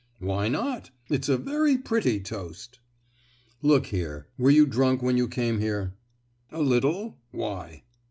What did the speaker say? "Why not? It's a very pretty toast." "Look here, were you drunk when you came here?" "A little; why?"